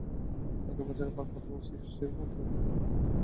একই বছর প্রাক্-প্রাথমিকে সৃষ্ট পদে প্রতিটি বিদ্যালয়ে একজন করে শিক্ষক দেওয়া হয়েছে।